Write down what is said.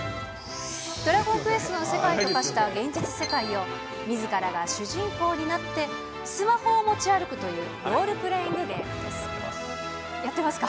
ドラゴンクエストの世界と化した現実世界を、みずからが主人公になって、スマホを持ち歩くというロールプレイングゲームです。